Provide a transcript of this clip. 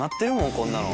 こんなの。